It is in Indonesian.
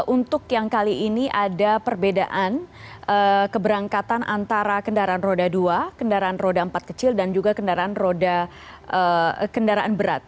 untuk yang kali ini ada perbedaan keberangkatan antara kendaraan roda dua kendaraan roda empat kecil dan juga kendaraan roda kendaraan berat